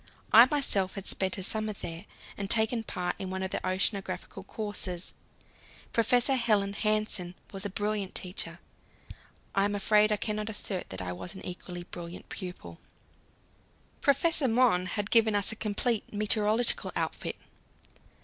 I myself had spent a summer there, and taken part in one of the oceanographical courses. Professor Helland Hansen was a brilliant teacher; I am afraid I cannot assert that I was an equally brilliant pupil. Professor Mohn had given us a complete meteorological outfit.